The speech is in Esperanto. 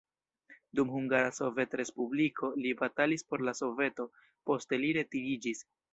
Dum Hungara Sovetrespubliko li batalis por la Soveto, poste li retiriĝis.